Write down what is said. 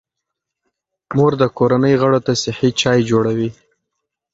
مور د کورنۍ غړو ته صحي چای جوړوي.